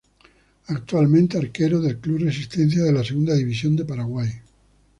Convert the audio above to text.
Actualmente arquero del club Resistencia de la Segunda División de Paraguay.